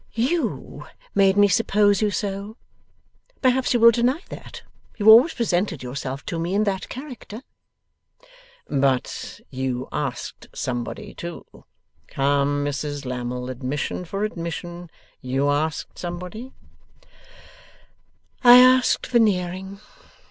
'You made me suppose you so. Perhaps you will deny that you always presented yourself to me in that character?' 'But you asked somebody, too. Come, Mrs Lammle, admission for admission. You asked somebody?' 'I asked Veneering.